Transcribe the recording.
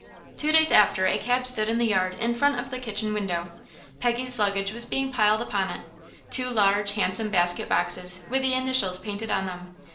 Two days after a cab stood in the yard in front of the kitchen window. Peggy's luggage was being piled upon it two large, handsome basket boxes with the initials painted on them.